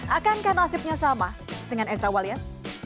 akankah nasibnya sama dengan ezra walian